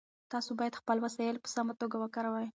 تاسو باید خپل وسایل په سمه توګه وکاروئ.